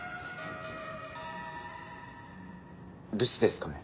留守ですかね？